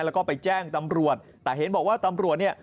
แล้วก็ไปแจ้งตำรวจแต่เห็นบอกว่าตำรวจเนี่ย